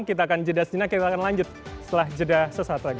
kita akan jeda sejenak kita akan lanjut setelah jeda sesaat lagi